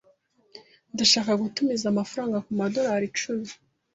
Ndashaka gutumiza amafaranga kumadorari icumi.